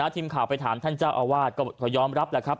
ทีมข่าวไปถามท่านเจ้าอาวาสก็ยอมรับ